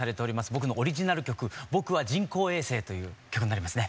僕のオリジナル曲「ぼくは人工衛星」という曲になりますね。